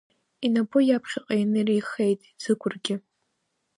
Инапы иаԥхьаҟа инаирххеит Ӡыкәыргьы.